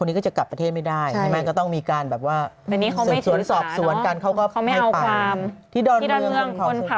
เออดีค่าปรับนะเพราะว่าต้องไปรีบขึ้นเครื่อง